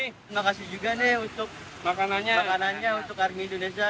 terima kasih juga nih untuk makanannya makanannya untuk armi indonesia